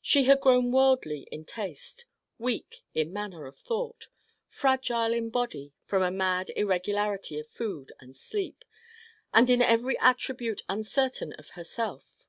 She had grown worldly in taste, weak in manner of thought, fragile in body from a mad irregularity of food and sleep, and in every attribute uncertain of herself.